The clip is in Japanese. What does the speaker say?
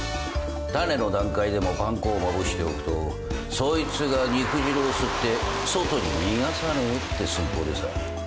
タネの段階でもパン粉をまぶしておくとそいつが肉汁を吸って外に逃がさねえって寸法でさあ。